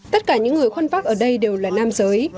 tất cả những người khuân pháp ở đây đều là nam giới